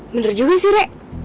bener juga sih rek